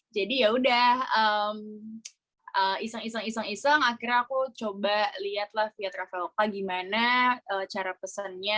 jadi yaudah iseng iseng iseng iseng akhirnya aku coba lihatlah via traveloka gimana cara pesannya